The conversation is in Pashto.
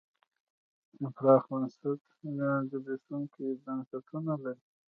پراخ بنسټه زبېښونکي بنسټونه لري.